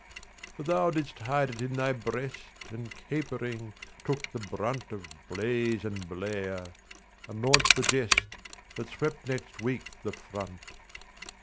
But thou didst hide it in thy breastAnd, capering, took the bruntOf blaze and blare, and launched the jestThat swept next week the front.